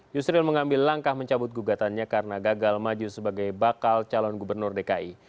yusril mengambil langkah mencabut gugatannya karena gagal maju sebagai bakal calon gubernur dki